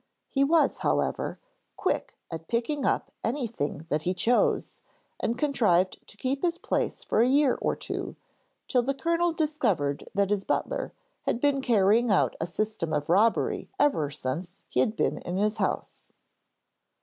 He was, however, quick at picking up anything that he chose and contrived to keep this place for a year or two, till the Colonel discovered that his butler had been carrying out a system of robbery ever since he had been in his house.